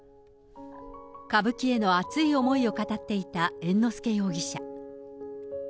歌舞伎への熱い思いを語っていた猿之助容疑者。